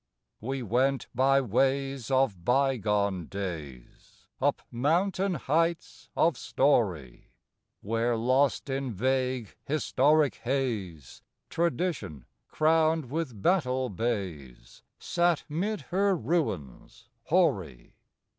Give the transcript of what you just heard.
We went by ways of bygone days, Up mountain heights of story, Where lost in vague, historic haze, Tradition, crowned with battle bays, Sat 'mid her ruins hoary.